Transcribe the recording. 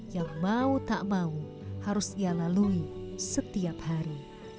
yang mau tak mau harus ia lalui setiap hari